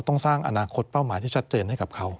ต้องสร้างอนาคตเป้าหมายที่ชัดเจนให้กับเขา